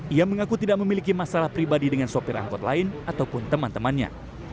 ia mengaku tidak memiliki masalah pribadi dengan sopir angkot lain ataupun teman temannya